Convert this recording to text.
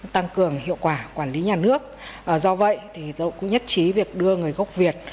tăng cường hiệu quả quản lý nhà nước do vậy tôi cũng nhất trí việc đưa người gốc việt